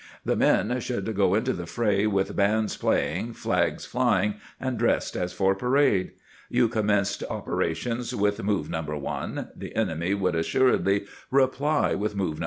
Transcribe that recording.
The men should go into the fray with bands playing, flags flying, and dressed as for parade. You commenced operations with move No. 1; the enemy would assuredly reply with move No.